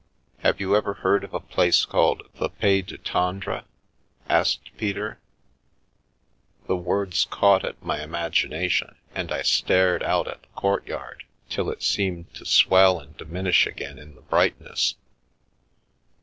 " Have you ever heard of a place called the ' Pays du Tendre '?" asked Peter. 228 "Seals of Love, but Sealed in Vain" The words caught at my imagination and I stared out at the courtyard till it seemed to swell and diminish again in the brightness.